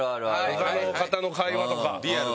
他の方の会話とか。